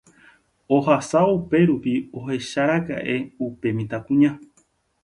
ohasávo upérupi ohecháraka'e upe mitãkuña